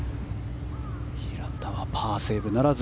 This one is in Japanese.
平田はパーセーブならず。